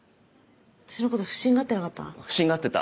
私のこと不審がってなかった？